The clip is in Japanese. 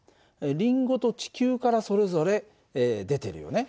リンゴと地球からそれぞれ出てるよね。